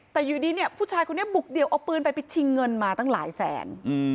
แต่อยู่ดีเนี่ยผู้ชายคนนี้บุกเดี่ยวเอาปืนไปไปชิงเงินมาตั้งหลายแสน